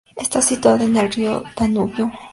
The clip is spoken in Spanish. Está situada en el río Danubio.